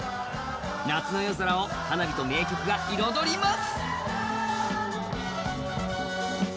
夏の夜空を花火と名曲が彩ります。